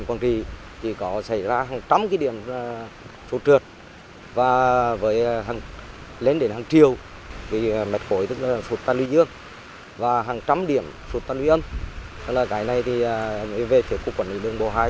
cây cầu treo vững trái